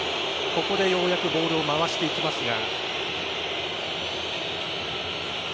ここでようやくボールを回していきますが。